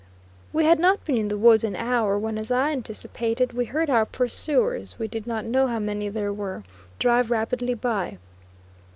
We bad not been in the woods an hour when, as I anticipated, we heard our pursuers, we did not know how many there were, drive rapidly by.